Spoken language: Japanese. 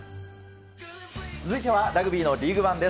続いてはラグビーのリーグワンです。